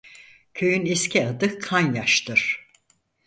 Köyün eski adı Kanyaş'dır.